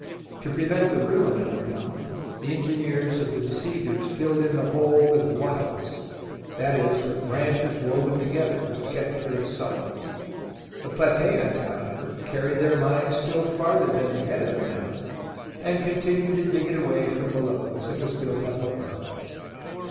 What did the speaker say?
To prevent the ruin of the mound the engineers of the besiegers filled in the hole with wattles — that is, with branches woven together, which kept the earth solid. The Platseans, however, carried their mine still farther than the head of the mound, and continued to dig it away from below as it was built up above.